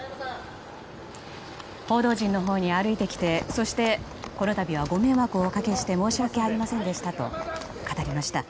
報道陣のほうに歩いてきてそしてこのたびはご迷惑をおかけして申し訳ありませんでしたと語りました。